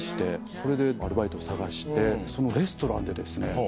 それでアルバイトを探してそのレストランでですね